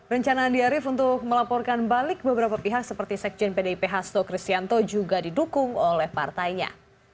rencana andi arief untuk melaporkan balik beberapa pihak seperti sekjen pdip hasto kristianto juga didukung oleh partainya